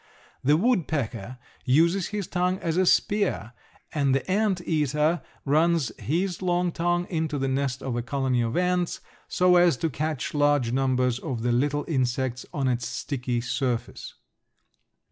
The woodpecker uses his tongue as a spear, and the anteater runs his long tongue into the nest of a colony of ants, so as to catch large numbers of the little insects on its sticky surface.